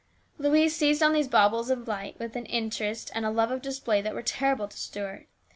Louise seized on these baubles of light with an eagerness and a love of display that were terrible to Stuart.